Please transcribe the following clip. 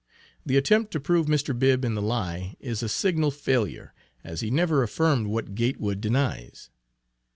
The attempt to prove Mr. Bibb in the lie, is a signal failure, as he never affirmed what Gatewood denies.